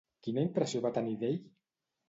Quina impressió va tenir d'ell?